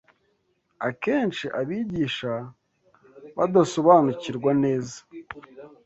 akenshi abigisha badasobanukirwa neza